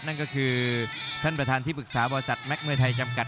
นั่นก็คือท่านประธานที่ปรึกษาบริษัทแม็กมวยไทยจำกัด